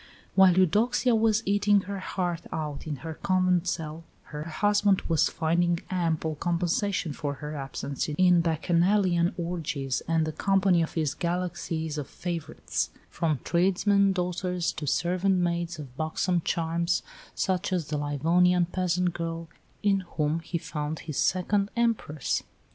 While Eudoxia was eating her heart out in her convent cell, her husband was finding ample compensation for her absence in Bacchanalian orgies and the company of his galaxies of favourites, from tradesmen's daughters to servant maids of buxom charms, such as the Livonian peasant girl, in whom he found his second Empress.